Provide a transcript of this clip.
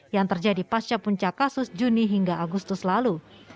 yang terjadi pasca puncak kasus juni hingga agustus lalu